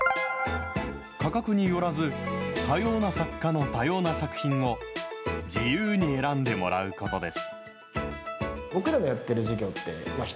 価格によらず、多様な作家の多様な作品を自由に選んでもらうことです。